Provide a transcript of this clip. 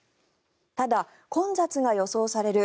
ただ、混雑が予想される